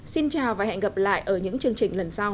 xin chào và hẹn gặp lại ở những chương trình lần sau